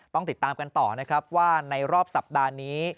ต้องติดตามกันต่อนะครับว่าในรอบสัปดาห์นี้